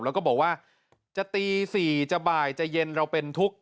แล้วก็บอกว่าจะตี๔จะบ่ายจะเย็นเราเป็นทุกข์